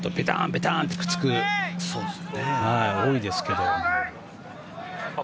ベターン！とくっつくのが多いですけど。